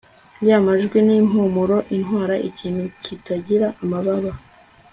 yamajwi nimpumuro itwara ikintu kitagira amababa